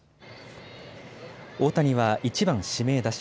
大谷は１番・指名打者。